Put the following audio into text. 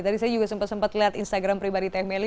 tadi saya juga sempat sempat lihat instagram pribadi teh meli